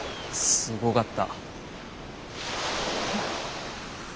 すごかった。